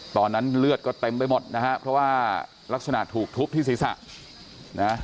ตอนนั้นเลือดก็เต็มไปหมดนะฮะเพราะว่ารักษณะถูกทุบที่ศีรษะนะ